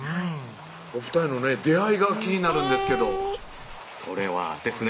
お２人のね出会いが気になるんですけどそれはですね